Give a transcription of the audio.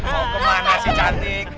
mau kemana sih cantik